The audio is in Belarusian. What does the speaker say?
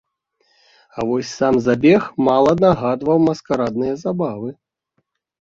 А вось сам забег мала нагадваў маскарадныя забавы.